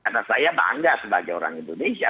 karena saya bangga sebagai orang indonesia